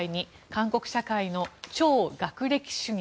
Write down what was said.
韓国社会の超学歴主義。